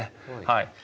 はい。